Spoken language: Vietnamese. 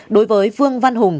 đối với vương văn hùng